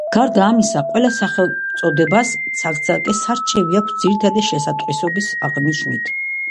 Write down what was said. გარდა ამისა, ყველა სახელწოდებას ცალ-ცალკე სარჩევი აქვს ძირითადი შესატყვისობის აღნიშვნით.